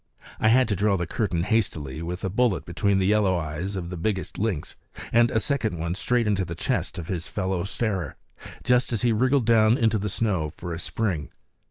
I had to draw the curtain hastily with a bullet between the yellow eyes of the biggest lynx, and a second straight into the chest of his fellow starer, just as he wriggled down into the snow for a spring.